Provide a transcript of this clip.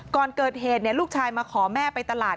ก่อนเกิดเหตุลูกชายมาขอแม่ไปตลาด